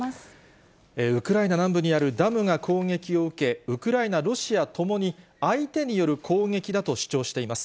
ウクライナ南部にあるダムが攻撃を受け、ウクライナ、ロシアともに相手による攻撃だと主張しています。